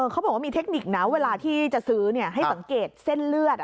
เขาบอกว่ามีเทคนิคนะเวลาที่จะซื้อให้สังเกตเส้นเลือด